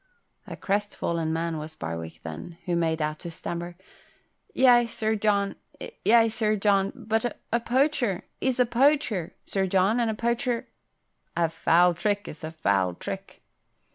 A crestfallen man was Barwick then, who made out to stammer, "Yea, Sir John yea, Sir John, but a poacher 'e's a poacher, Sir John, and a poacher " "A foul trick is a foul trick."